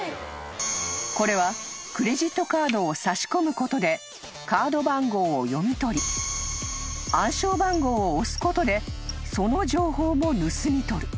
［これはクレジットカードを差し込むことでカード番号を読み取り暗証番号を押すことでその情報も盗み取る］